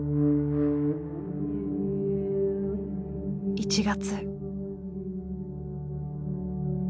１月。